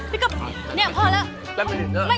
พี่กับเนี่ยพอแล้ว